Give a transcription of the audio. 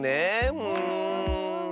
うん。